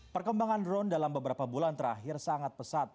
perkembangan drone dalam beberapa bulan terakhir sangat pesat